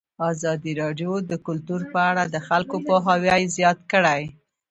ازادي راډیو د کلتور په اړه د خلکو پوهاوی زیات کړی.